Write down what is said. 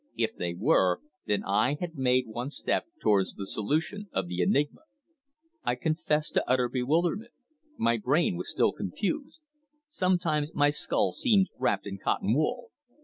If they were, then I had made one step towards the solution of the enigma. I confess to utter bewilderment. My brain was still confused. Sometimes my skull seemed wrapped in cotton wool.